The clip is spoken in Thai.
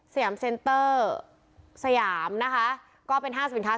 ยามเซ็นเตอร์สยามนะคะก็เป็นห้างสินค้า